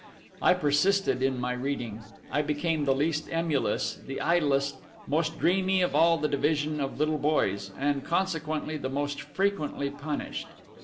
I persisted in my reading; I became the least emulous, the idlest, the most dreamy of all the division of "little boys," and consequently the most frequently punished.